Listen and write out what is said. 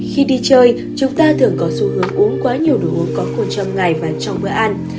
khi đi chơi chúng ta thường có xu hướng uống quá nhiều đồ uống có cồn trong ngày và trong bữa ăn